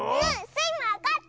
スイもわかった！